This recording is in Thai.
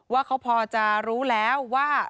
ว่าเขาพอจะรู้แล้วว่า